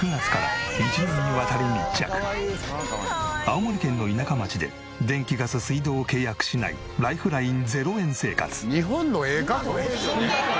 青森県の田舎町で電気ガス水道を契約しないライフライン０円生活。